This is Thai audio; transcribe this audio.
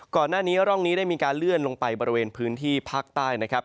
ก่อนหน้านี้ร่องนี้ได้มีการเลื่อนลงไปบริเวณพื้นที่ภาคใต้นะครับ